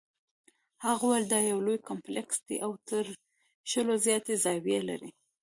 هغه وویل دا یو لوی کمپلیکس دی او تر شلو زیاتې زاویې لري.